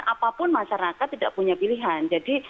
apapun masyarakat tidak punya pilihan jadi